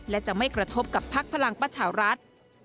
และจะไม่กระทบกับพักพลังประชารัฐ